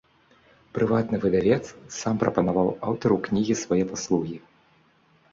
Прыватны выдавец сам прапанаваў аўтару кнігі свае паслугі.